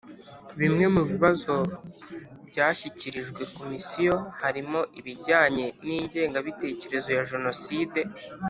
Bimwe mu bibazo byashyikirijwe Komisiyo harimo ibijyanye n ingengabitekerezo ya jenoside